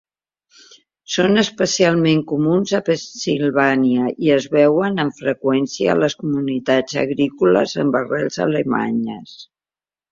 Són especialment comuns a Pennsilvània i es veuen amb freqüència en les comunitats agrícoles amb arrels alemanyes.